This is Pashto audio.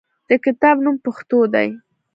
د کتاب نوم "پښتو" دی.